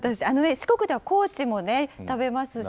四国では高知もね、食べますし。